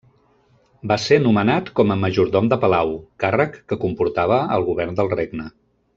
Va ser nomenat com a majordom de palau, càrrec que comportava el govern del regne.